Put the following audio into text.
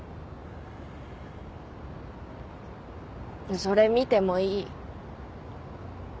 それ見てもいい？